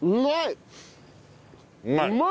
うまい！